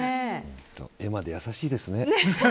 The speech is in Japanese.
絵まで優しいですね。